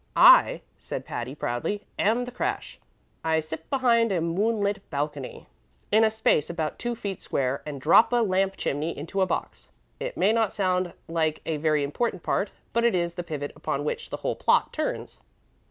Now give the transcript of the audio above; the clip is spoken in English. I," said Patty, proudly, "am the crash. I sit behind a moonlit balcony in a space about two feet square, and drop a lamp chimney into a box. It may not sound like a very important part, but it is the pivot upon which the whole plot turns."